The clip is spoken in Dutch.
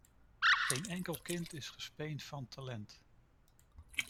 Geen enkel kind is gespeend van talent.